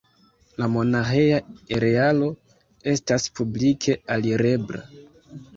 La monaĥeja arealo estas publike alirebla.